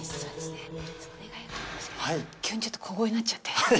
急にちょっと小声になっちゃって。